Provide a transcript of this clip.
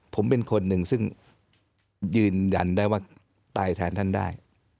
ผมเป็นคนหนึ่งซึ่งยืนยันได้ว่าตายแทนท่านได้